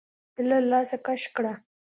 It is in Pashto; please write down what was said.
ده له لاسه کش کړه.